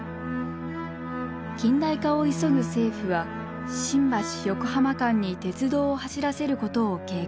近代化を急ぐ政府は新橋横浜間に鉄道を走らせることを計画。